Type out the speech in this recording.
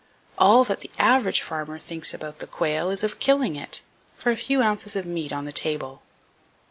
All that the average farmer thinks about the quail is of killing it, for a few ounces of meat on the table.